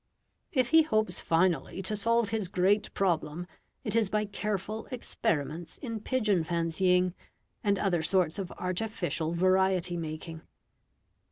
If he hopes finally to solve his great problem, it is by careful experiments in pigeon fancying, and other sorts of artificial variety making.